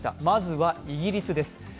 まずはイギリスです。